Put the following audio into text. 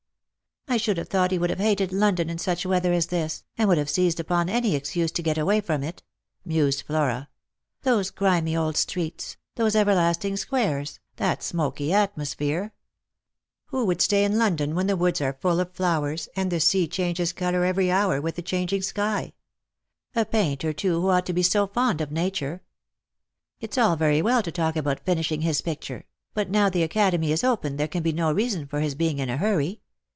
" I should have thought he would have hated London in such weather as this, and would have seized upon any excuse to get away from it," mused Flora ;" those grimy old streets — those everlasting squares — that smoky atmosphere ! Who would stay in London when the woods are full of flowers, and the sea changes colour every hour with the changing sky ? A painter, too, who ought to be so fond of Nature. It's all very well to talk about finishing his picture ; but now the Academy is open there can be no reason for his being in a hurry.